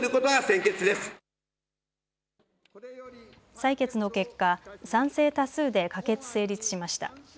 採決の結果、賛成多数で可決・成立しました。